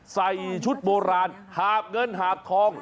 ใส่ชุดโบราณหาบเงินหาบทอง